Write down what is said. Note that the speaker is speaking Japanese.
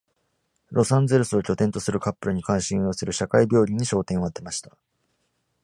ロサンゼルスを拠点とするカップルに関心を寄せる社会病理に焦点を当てました。